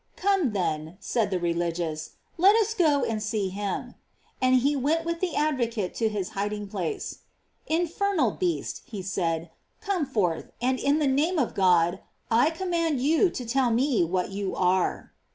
"Come, then," said the religious, "let us go and •ee him:" and he went with the advocate to his hiding place. "Infernal beast," he said, "come forth, and in the name of God I command you *C.lltp.L 252 GLORIES OP MAEY. to tell me what you are."